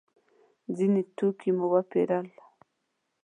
ځینې توکي مو وپېرل.